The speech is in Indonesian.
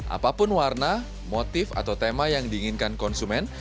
apapun warna motif atau tema yang diinginkan konsumen